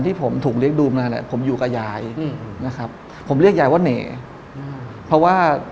มีแต่สิ่งแบบนี้นะครับ